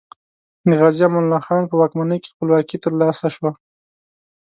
د غازي امان الله خان په واکمنۍ کې خپلواکي تر لاسه شوه.